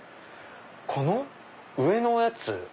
この上のやつ。